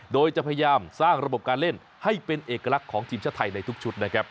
โดยจะพยายามสร้างระบบการเล่นให้เป็นเอกลักษณ์ของทีมชาติไทยในทุกชุดนะครับ